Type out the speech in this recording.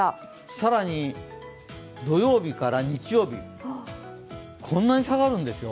更に土曜日から日曜日、こんなに下がるんですよ。